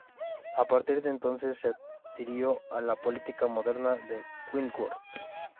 A partir de entonces, se adhirió a la política moderada de Wentworth.